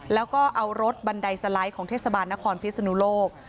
แล้วก็เอารถบันไดสไลด์ของเทศบาลนครพิศนุโลก